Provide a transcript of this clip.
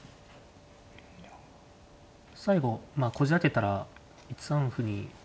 最後こじあけたら１三歩に。